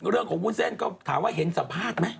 เรื่องของวุ้นเส้นก็ถามว่าเห็นสัมภาษณ์ไหม